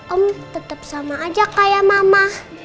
om tetap sama aja kayak mama